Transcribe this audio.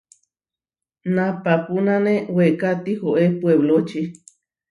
Napapúnane weeká tihoé puebloči.